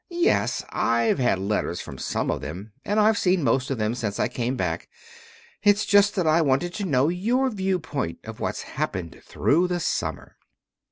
"Yes, I've had letters from some of them, and I've seen most of them since I came back. It's just that I wanted to know your viewpoint of what's happened through the summer."